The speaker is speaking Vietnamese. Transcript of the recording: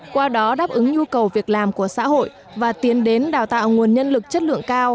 qua đó đáp ứng nhu cầu việc làm của xã hội và tiến đến đào tạo nguồn nhân lực chất lượng cao